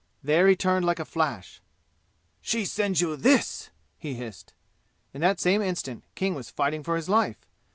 There he turned like a flash. "She sends you this!" he hissed. In that same instant King was fighting for his life.